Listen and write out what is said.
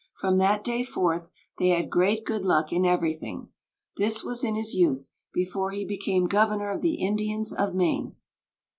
From that day forth they had great good luck in everything. This was in his youth, before he became governor of the Indians of Maine.